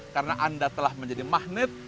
karena anda telah menjadi magnet